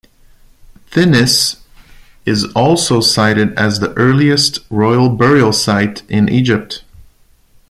Thinis is also cited as the earliest royal burial-site in Egypt.